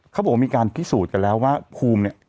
เขาบอกว่ามีการพิสูจน์กันแล้วว่าภูมิเนี่ย